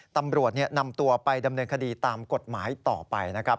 ตำรวจนำตัวไปดำเนินคดีตามกฎหมายต่อไปนะครับ